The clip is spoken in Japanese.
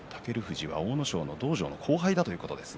阿武咲の道場の後輩ということです。